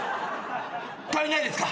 足りないですか？